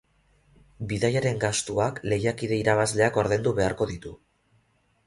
Bidaiaren gastuak lehiakide irabazleak ordaindu beharko ditu.